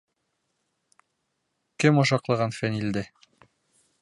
— Кем ошаҡлаған Фәнилде?..